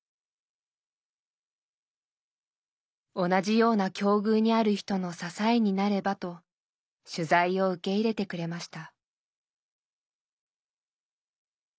同じような境遇にある人の支えになればと取材を受け入れてくれました。